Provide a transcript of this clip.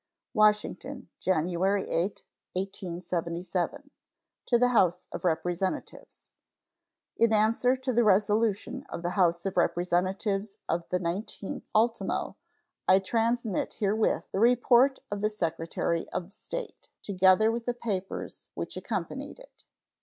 WASHINGTON, January 8, 1877. To the House of Representatives: In answer to the resolution of the House of Representatives of the 19th ultimo, I transmit herewith the report of the Secretary of State, together with the papers which accompanied it.